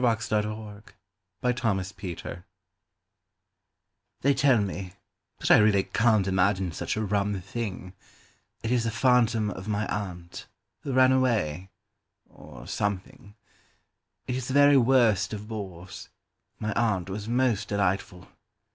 Mortimer Collins My Aunt's Spectre THEY tell me (but I really can'tImagine such a rum thing),It is the phantom of my Aunt, Who ran away—or something.It is the very worst of bores:(My Aunt was most delightful).